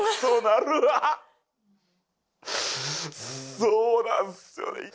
そうなんすよね。